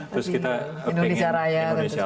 terus kita ingin indonesia raya